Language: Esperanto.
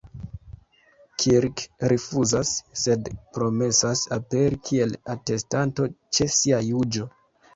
Kirk rifuzas, sed promesas aperi kiel atestanto ĉe sia juĝo.